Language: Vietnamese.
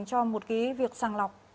cho một cái việc sẵn lọc